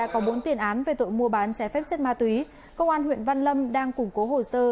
có bốn tiền án về tội mua bán trái phép chất ma túy công an huyện văn lâm đang củng cố hồ sơ